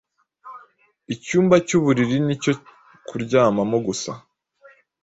Icyumba cy’uburiri ni icyo kuryamamo gusa.